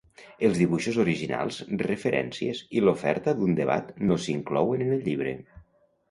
Els dibuixos originals, referències i l'oferta d'un debat no s'inclouen en el llibre.